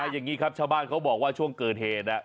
อย่างนี้ครับชาวบ้านเขาบอกว่าช่วงเกิดเหตุ